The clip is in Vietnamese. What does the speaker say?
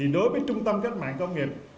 đối với trung tâm cách mạng công nghiệp